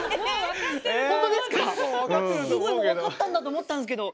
すごいもう分かったんだと思ったんですけど。